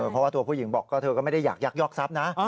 เพราะว่าผู้หญิงบอกเธอก็ไม่ได้ยักยอกทรัพย์นะ